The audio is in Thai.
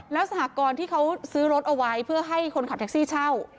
แล้วสหกรณ์ที่เขาซื้อรถเอาไว้เพื่อให้คนขับแท็กซี่เช่า